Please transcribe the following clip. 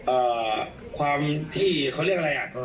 เอ่อความที่เขาเรียกอะไรอ่ะ